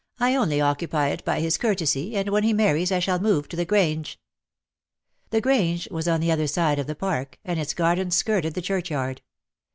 "I only occupy it by his courtesy, and when he marries I shall move to the Grange." The Grange was on the other side of the Park, and its gardens skirted the churchyard.